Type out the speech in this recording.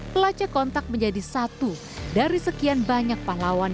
pelacak kontak menjadi satu dari sekian banyak pahlawan